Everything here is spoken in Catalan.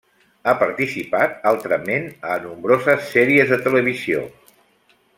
Ha participat, altrament, a nombroses sèries de televisió.